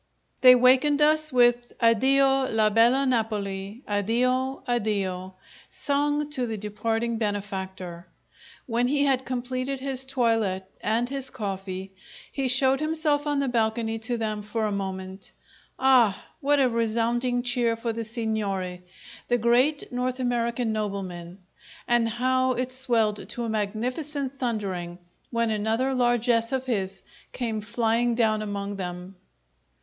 They wakened us with "Addio, la bella Napoli, addio, addio!" sung to the departing benefactor. When he had completed his toilet and his coffee, he showed himself on the balcony to them for a moment. Ah! What a resounding cheer for the signore, the great North American nobleman! And how it swelled to a magnificent thundering when another largess of his came flying down among them!